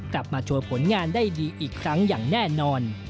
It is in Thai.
กลับมาโชว์ผลงานได้ดีอีกครั้งอย่างแน่นอน